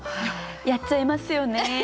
やっちゃいますよね。